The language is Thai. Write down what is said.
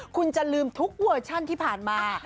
คุณจะลืมทุกเวอร์ชันที่ผ่านมา